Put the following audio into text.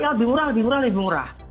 lebih murah lebih murah